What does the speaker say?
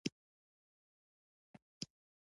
چینایان د سوداګرۍ نوې لارې لټوي.